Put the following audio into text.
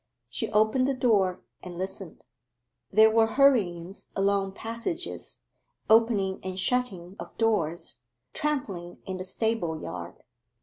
She opened the door and listened. There were hurryings along passages, opening and shutting of doors, trampling in the stable yard.